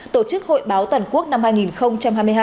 tổ chức hội báo toàn quốc năm hai nghìn hai mươi hai